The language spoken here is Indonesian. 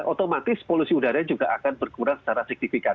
otomatis polusi udara juga akan berkurang secara signifikan